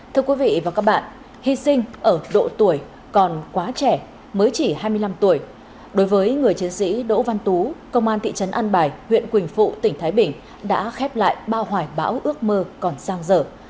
thưa quý vị và các bạn hy sinh ở độ tuổi còn quá trẻ mới chỉ hai mươi năm tuổi đối với người chiến sĩ đỗ văn tú công an thị trấn an bài huyện quỳnh phụ tỉnh thái bình đã khép lại bao hoài bão ước mơ còn sang giờ